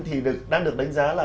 thì đang được đánh giá là